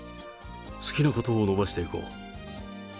好きなことを伸ばしていこう。